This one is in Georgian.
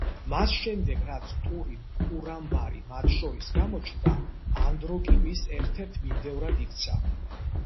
მას შემდეგ, რაც ტურინ ტურამბარი მათ შორის გამოჩნდა, ანდროგი მის ერთ-ერთ მიმდევრად იქცა.